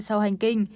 sau hành kinh